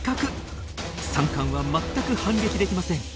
サンカンは全く反撃できません。